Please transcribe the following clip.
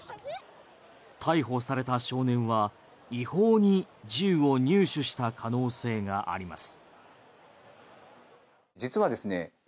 逮捕された少年は違法に銃を入手した可能性があります。